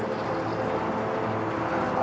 tasya ayah jadi